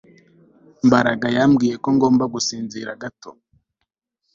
Mbaraga yambwiye ko ngomba gusinzira gato